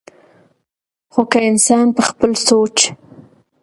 خو کۀ انسان پۀ خپل سوچ